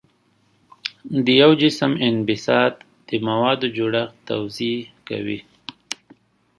د یو جسم انبساط د موادو جوړښت توضیح کوي.